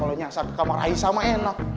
kalau nyasar ke kamar ayi sama enak